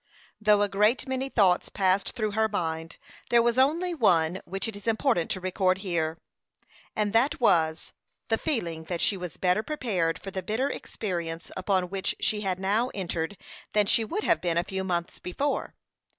Though a great many thoughts passed through her mind, there was only one which it is important to record here; and that was, the feeling that she was better prepared for the bitter experience upon which she had now entered than she would have been a few months before.